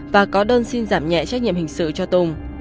và có đơn xin giảm nhẹ trách nhiệm hình sự cho tùng